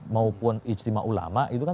maupun istimewa ulama itu kan